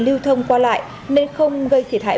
lưu thông qua lại nên không gây thiệt hại